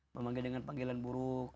memanggil dengan panggilan buruk